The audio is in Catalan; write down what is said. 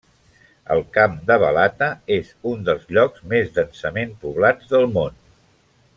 El camp de Balata és un dels llocs més densament poblats del món.